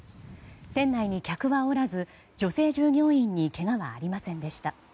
店内に客はおらず女性従業員にけがはありませんでした。